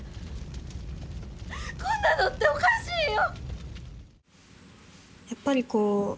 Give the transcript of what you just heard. こんなのっておかしいよ！